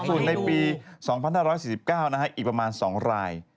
ส่วนในปี๒๕๔๙อีกประมาณ๒ราย